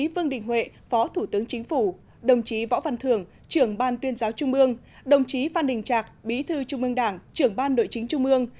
ban tuyên giáo trung ương đồng chí phan đình trạc bí thư trung ương đảng trưởng ban nội chính trung ương